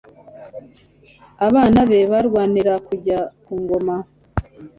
abana be barwanira kujya ku ngoma,